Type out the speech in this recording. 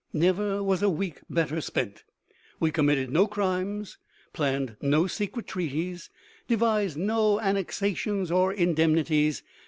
Never was a week better spent. We committed no crimes, planned no secret treaties, devised no annexations or indemnities.